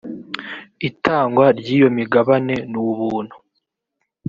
itangwa ryiyo migabane nubuntu.